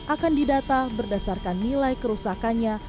akan didata berdasarkan nilai kerusakannya